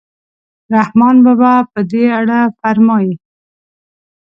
رحمان بابا په دې اړه فرمایي.